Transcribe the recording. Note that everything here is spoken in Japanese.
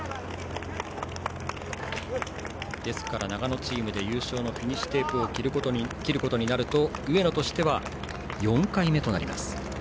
ですから、長野チームで優勝のフィニッシュテープを切ることになると上野としては４回目です。